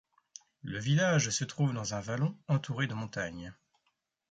Le village se trouve dans un vallon, entouré de montagnes.